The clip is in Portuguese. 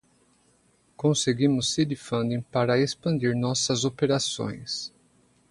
Conseguimos seed funding para expandir nossas operações.